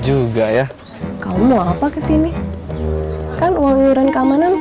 udah gak usah ngomongin dia